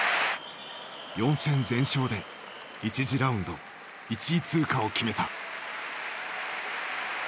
４戦全勝で１次ラウンド１位通過を決めた。